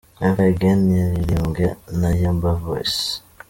Never Again yaririmbwe na Yemba Voice .